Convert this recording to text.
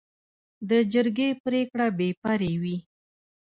د جرګې پریکړه بې پرې وي.